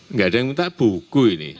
nggak ada yang minta buku ini